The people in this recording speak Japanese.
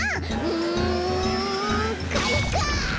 うんかいか！